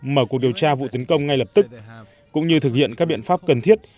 mở cuộc điều tra vụ tấn công ngay lập tức cũng như thực hiện các biện pháp cần thiết